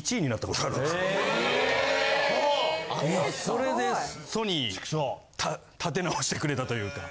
・それでソニー立て直してくれたというか。